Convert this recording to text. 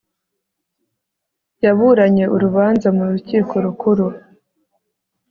yaburanye urubanza mu rukiko rukuru